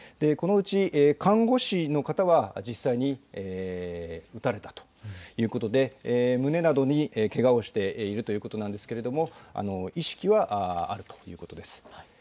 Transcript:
このうち看護師の方は実際に撃たれたということで胸などに、けがをしているということなんですけれども意識はあるということです。